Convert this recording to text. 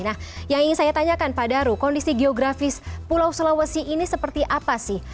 nah yang ingin saya tanyakan pak daru kondisi geografis pulau sulawesi ini seperti apa sih